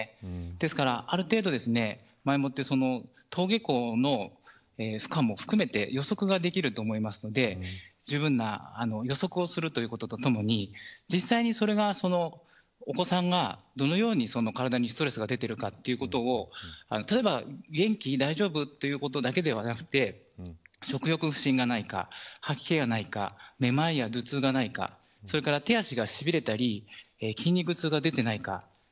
ですから、ある程度前もって登下校の負荷も含めて予測ができると思うのでじゅうぶんな予測をするということとともに実際にそれが、お子さんがどのように体にストレスが出ているかということを例えば、元気、大丈夫ということだけじゃなくて食欲不振がないか吐き気がないか目まいや頭痛がないかそれから手足がしびれたり筋肉痛が出ていないか。